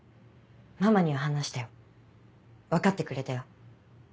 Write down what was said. ママには話したよ分かってくれたよ。